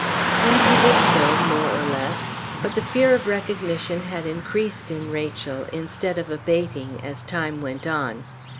And he did so, more or less; but the fear of recognition had increased in Rachel, instead of abating, as time went on.